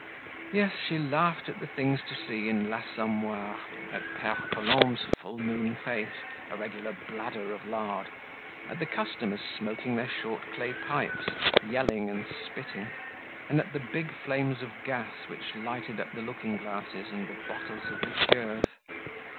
Yes, she laughed at the things to see in l'Assommoir, at Pere Colombe's full moon face, a regular bladder of lard, at the customers smoking their short clay pipes, yelling and spitting, and at the big flames of gas which lighted up the looking glasses and the bottles of liqueurs.